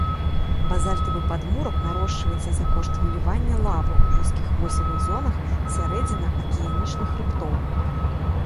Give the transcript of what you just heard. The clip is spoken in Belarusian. Базальтавы падмурак нарошчваецца за кошт вылівання лавы ў вузкіх восевых зонах сярэдзінна-акіянічных хрыбтоў.